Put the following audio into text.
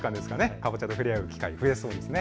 かぼちゃと触れ合う機会増えそうですね。